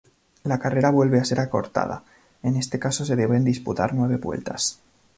La carrera vuelve a ser acortada, en este caso se deben disputar nueve vueltas.